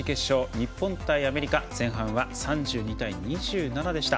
日本対アメリカ、前半は３２対２７でした。